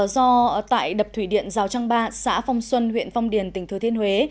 do tại đập thủy điện rào trang ba xã phong xuân huyện phong điền tỉnh thừa thiên huế